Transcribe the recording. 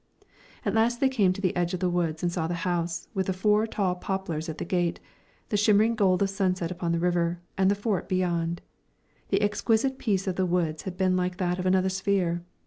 At last they came to the edge of the woods and saw the house, with the four tall poplars at the gate, the shimmering gold of sunset upon the river, and the Fort beyond. The exquisite peace of the woods had been like that of another sphere.